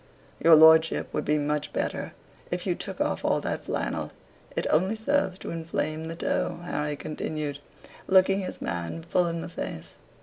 "Your lordship would be much better if you took off all that flannel it only serves to inflame the toe," Harry continued, looking his man full in the face.